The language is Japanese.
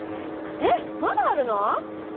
えっまだあるの？